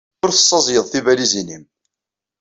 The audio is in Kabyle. Ur tessaẓyeḍ tibalizin-nnem.